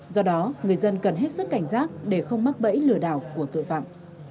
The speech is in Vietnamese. do đó người dân cần hết sức cảnh giác để không mắc bẫy lừa đảo của tội phạm